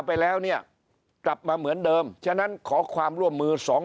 ไปแล้วเนี่ยกลับมาเหมือนเดิมฉะนั้นขอความร่วมมือสอง